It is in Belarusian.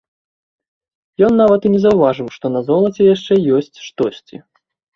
Ён нават і не заўважыў, што на золаце яшчэ ёсць штосьці.